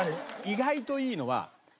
意外といいのは。